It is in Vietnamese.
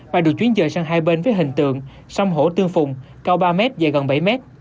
và được chuyến dời sang hai bên với hình tượng sông hổ tương phùng cao ba m dài gần bảy mét